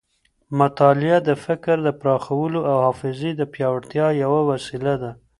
مطالعه د فکر د پراخولو او حافظې د پیاوړتیا یوه وسیله ده.